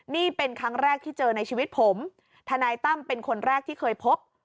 นี่เป็นครั้งแรกที่เจอในชีวิตผมทนายตั้มเป็นคนแรกที่เคยพบ